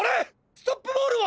ストップボールは！？